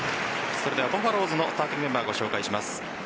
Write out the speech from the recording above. それではバファローズのスターティングメンバーをご紹介します。